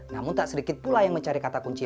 namun tak sedikit pula yang mencari kata kunci